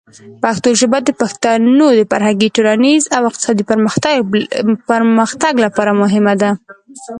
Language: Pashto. پښتو ژبه د پښتنو د فرهنګي، ټولنیز او اقتصادي پرمختګ لپاره مهمه ده.